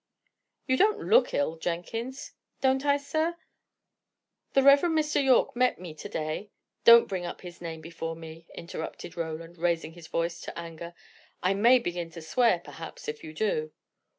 "You don't look ill, Jenkins." "Don't I, sir? The Reverend Mr. Yorke met me, to day " "Don't bring up his name before me!" interrupted Roland, raising his voice to anger. "I may begin to swear, perhaps, if you do."